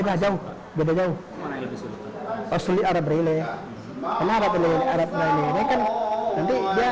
ayat sudara berkata